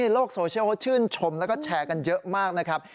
โลกโซเชียลเขาชื่นชมแล้วก็แชร์กันเยอะมากนะครับ